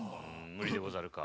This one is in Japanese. むりでござるか。